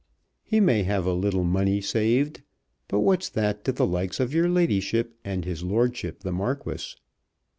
He may have a little money saved, but what's that to the likes of your ladyship and his lordship the Marquis?